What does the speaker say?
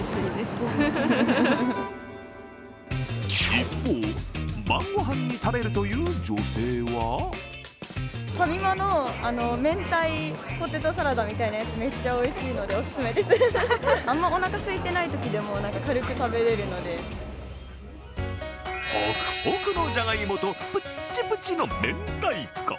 一方、晩ごはんに食べるという女性はほくほくのじゃがいもとプッチプチのめんたいこ。